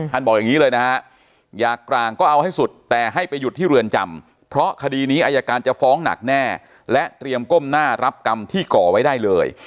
บอกอย่างนี้เลยนะฮะอยากกลางก็เอาให้สุดแต่ให้ไปหยุดที่เรือนจำเพราะคดีนี้อายการจะฟ้องหนักแน่และเตรียมก้มหน้ารับกรรมที่ก่อไว้ได้เลย